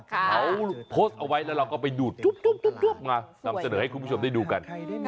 เขาโพสต์เอาไว้แล้วเราก็ไปดูดมานำเสนอให้คุณผู้ชมได้ดูกัน